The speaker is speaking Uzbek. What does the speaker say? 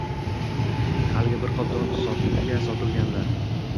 Haligi bir qop donga sotilganlar